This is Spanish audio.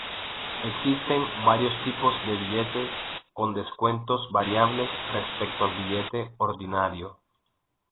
Existen varios tipos de billete, con descuentos variables respecto al billete ordinario.